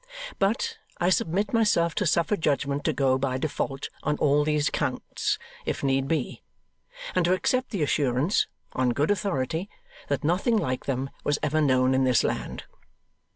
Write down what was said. But, I submit myself to suffer judgment to go by default on all these counts, if need be, and to accept the assurance (on good authority) that nothing like them was ever known in this land.